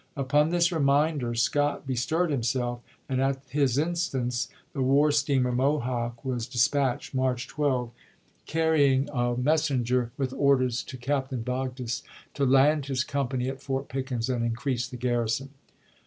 Upon this reminder, Scott be stirred himself, and at his instance the war steamer Mohawk was dispatched, March 12, caiTying a 394 ABRAHAM LINCOLN ch. xxiii. messenger with orders to Captain Vogdes to land his company at Fort Pickens and increase the garrison.